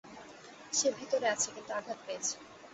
সে ভিতরে আছে, কিন্তু আঘাত পেয়েছে।